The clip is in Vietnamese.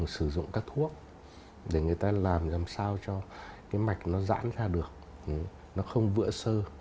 sử dụng các thuốc để người ta làm làm sao cho cái mạch nó rãn ra được nó không vữa sơ